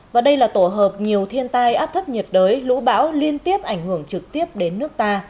và đây là tổ hợp nhiều thiên tai áp thấp nhiệt đới lũ bão liên tiếp ảnh hưởng trực tiếp đến nước ta